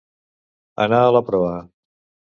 Anar a la proa.